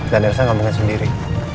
dan elsa ngambilnya sendiri